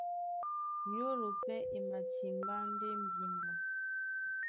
Nyólo pɛ́ e matimbá ndé mbimba.